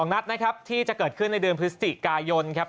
๒นัดนะครับที่จะเกิดในเดือนพฤศจิกายยนท์กัน